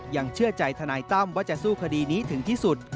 ยังเชื่อใจทนายตั้มว่าจะสู้คดีนี้ถึงที่สุด